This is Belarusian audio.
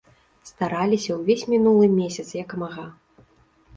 Стараліся ўвесь мінулы месяц як мага.